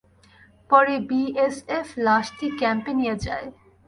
পরে বিএসএফ লাশটি ক্যাম্পে নিয়ে যায়।